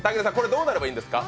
どうなればいいんですか？